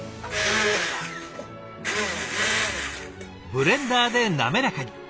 ブレンダーで滑らかに。